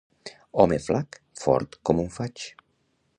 Home flac, fort com un faig.